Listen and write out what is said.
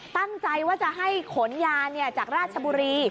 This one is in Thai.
ตั้งใจว่าจะให้ขนยาจากราชบุรี